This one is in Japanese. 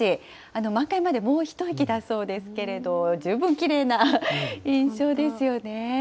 満開までもう一息だそうですけど、十分きれいな印象ですよね。